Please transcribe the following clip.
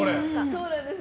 そうなんです。